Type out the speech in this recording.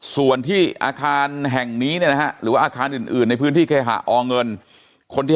ส่วนที่อาคารแห่งนี้เนี่ยนะฮะหรือว่าอาคารอื่นในพื้นที่เคหะอเงินคนที่